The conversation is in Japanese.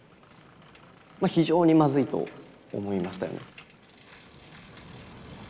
まあ非常にまずいと思いましたよね。